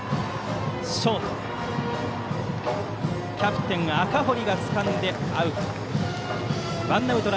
ショート、キャプテン赤堀がつかんでアウト。